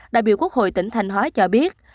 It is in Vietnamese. đại biểu quốc hội tỉnh thanh hóa cho biết